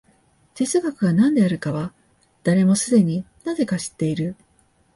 哲学が何であるかは、誰もすでに何等か知っている。